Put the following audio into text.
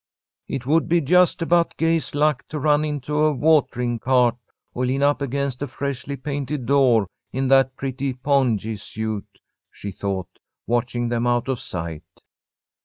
"It would be just about Gay's luck to run into a watering cart or lean up against a freshly painted door, in that pretty pongee suit," she thought, watching them out of sight.